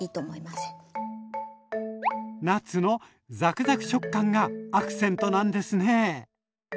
ナッツのザクザク食感がアクセントなんですね。